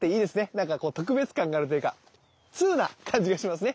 なんかこう特別感があるというかツウな感じがしますね。